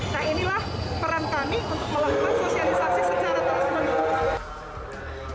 nah inilah peran kami untuk melakukan sosialisasi secara terus menerus